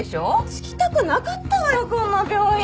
継ぎたくなかったのよこんな病院！